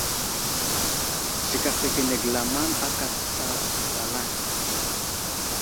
Zik afəkenege lamaŋd aka asla falay.